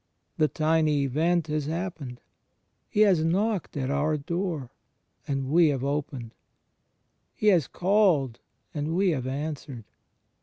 The tiny event has happened! He has knocked at our door, and we have opened; He has called and we have answered.